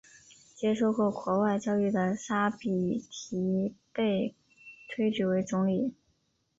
接受过国外教育的沙比提被推举为总理。